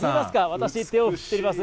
私、手を振っています。